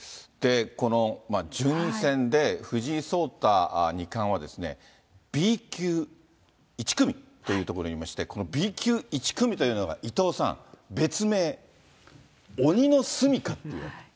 順位戦で、藤井聡太二冠は、Ｂ級１組というところにいまして、このＢ級１組というのが伊藤さん、別名、鬼の住みかっていわれてる。